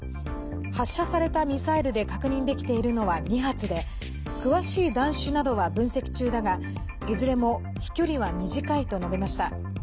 発射されたミサイルで確認できているのは２発で詳しい弾種などは分析中だがいずれも飛距離は短いと述べました。